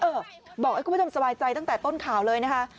บอกให้คุณผู้ชมสบายใจตั้งแต่ต้นข่าวเลยนะคะ